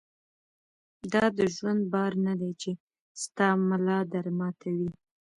دا دژوند بار نۀ دی چې ستا ملا در ماتوي